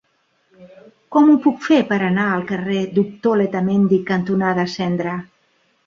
Com ho puc fer per anar al carrer Doctor Letamendi cantonada Cendra?